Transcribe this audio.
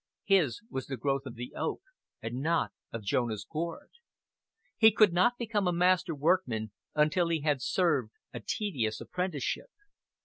His was the growth of the oak, and not of Jonah's gourd. He could not become a master workman until he had served a tedious apprenticeship.